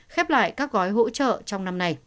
khép lại các gói hỗ trợ trong năm này